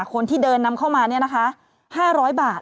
คนที่เดินนำเข้ามาเนี่ยนะคะ๕๐๐บาท